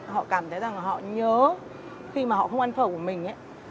họ cảm thấy rằng họ nhớ khi mà họ không ăn phở của mình ấy